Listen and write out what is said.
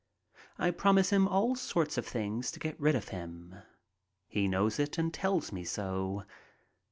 I promise him all sorts of things to get rid of him. He knows it and tells me so.